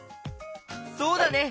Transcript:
そうだね。